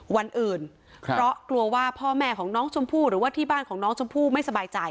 วันอื่นเพราะกลัวว่าพ่อแม่ของน้องชมพู่หรือว่าที่บ้านของน้องชมพู่ไม่สบายใจ